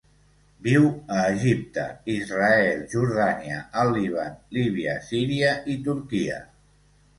Viu a Egipte, Israel, Jordània, el Líban, Líbia, Síria i Turquia.